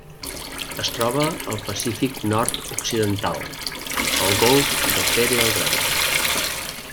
Es troba al Pacífic nord-occidental: el golf de Pere el Gran.